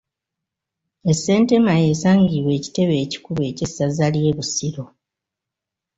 E Ssentema y’esangibwa ekitebe ekikulu eky’essaza ly’e Busiro.